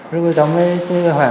lúc cháu mới hoài